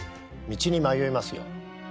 道に迷いますよ。